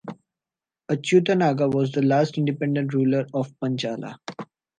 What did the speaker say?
Achyuta Naga was the last independent ruler of Panchala.